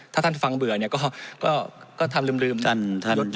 ถ้าท่านฟังเบื่อเนี่ยก็ทำลืมยอดลิมเยอะมากยดนะคะ